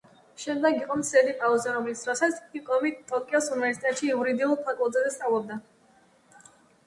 შემდეგ იყო მცირედი პაუზა, რომლის დროსაც ჰირომი ტოკიოს უნივერსიტეტში იურიდიულ ფაკულტეტზე სწავლობდა.